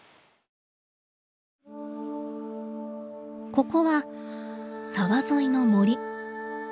ここは沢沿いの森。